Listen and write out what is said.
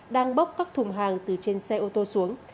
đang bốc các thùng hàng từ trên xe ô tô xuống